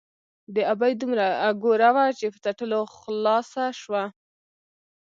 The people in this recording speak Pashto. ـ د ابۍ دومره اګوره وه ،چې په څټلو خلاصه شوه.